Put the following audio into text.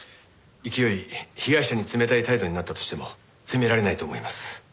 いきおい被害者に冷たい態度になったとしても責められないと思います。